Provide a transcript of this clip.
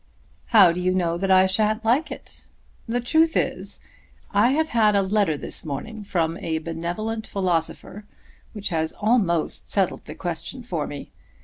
"How do you know that I shan't like it? The truth is I have had a letter this morning from a benevolent philosopher which has almost settled the question for me.